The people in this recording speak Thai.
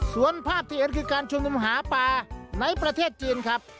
ส่วนภาพที่เห็นคือการชุมนุมหาปลาในประเทศจีนครับ